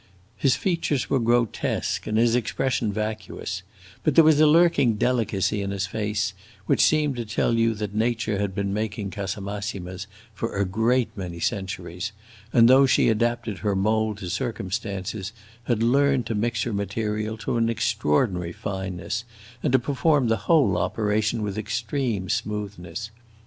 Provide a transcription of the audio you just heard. His features were grotesque and his expression vacuous; but there was a lurking delicacy in his face which seemed to tell you that nature had been making Casamassimas for a great many centuries, and, though she adapted her mould to circumstances, had learned to mix her material to an extraordinary fineness and to perform the whole operation with extreme smoothness.